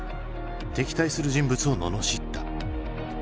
敵対する人物を罵った。